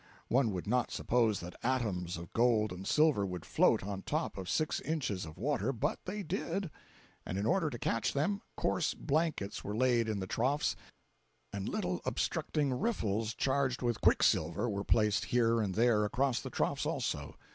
One would not suppose that atoms of gold and silver would float on top of six inches of water, but they did; and in order to catch them, coarse blankets were laid in the troughs, and little obstructing "riffles" charged with quicksilver were placed here and there across the troughs also.